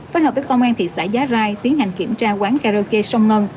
phát hợp với công an thị xã giá rai tiến hành kiểm tra quán karaoke sông ngân